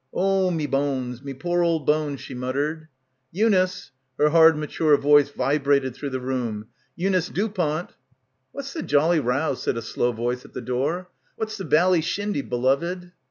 "Oh me bones, me poor old bones," she muttered. "Eunice \" her hard mature voice vibrated through the room. "Eunice Dupont!" "What's the jolly row?" said a slow voice at the door. "Wot's the bally shindy, beloved?"